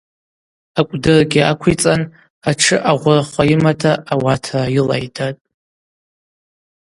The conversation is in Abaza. Акӏвдыргьи аквицӏан атшы агъврахва йымата ауатра йылайдатӏ.